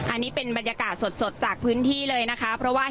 อันนี้เป็นบรรยากาศสดจากพื้นที่เลยนะคะเพราะว่า